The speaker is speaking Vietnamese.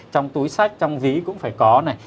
trong túi sách trong ví cũng phải có này